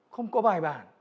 không có bài bản